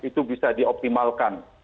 itu bisa dioptimalkan